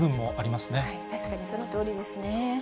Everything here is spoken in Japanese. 確かにそのとおりですね。